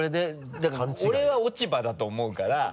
だから俺は落ち葉だと思うから。